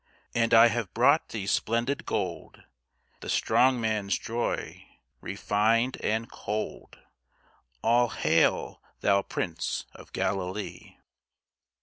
And I have brought thee splendid gold, The strong man's joy, refined and cold. All hail, thou Prince of Galilee!